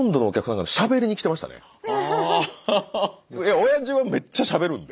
おやじはめっちゃしゃべるんで。